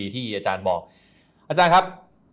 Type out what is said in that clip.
ที่อาจารย์บอกอาจารย์ครับ